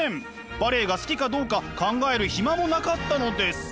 バレエが好きかどうか考える暇もなかったのです。